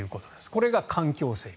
これが環境整備。